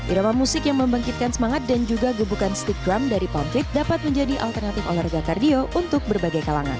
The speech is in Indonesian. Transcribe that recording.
irama musik yang membangkitkan semangat dan juga gebukan stick drum dari paunfik dapat menjadi alternatif olahraga kardio untuk berbagai kalangan